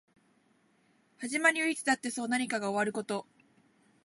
始まりはいつだってそう何かが終わること